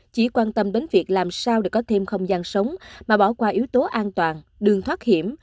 chỉ quan tâm đến việc làm sao để có thêm không gian sống mà bỏ qua yếu tố an toàn đường thoát hiểm